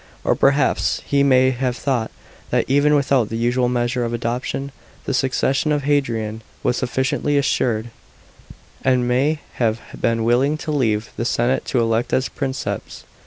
Or perhaps he may have thought that even without the usual measure of adoption the succession of Hadrian was sufficiently assured, and may have been willing to leave the senate to elect as Princeps.